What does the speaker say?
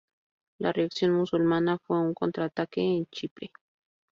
La reacción musulmana fue un contraataque a Chipre.